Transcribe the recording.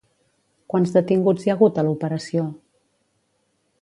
Quants detinguts hi ha hagut a l'operació?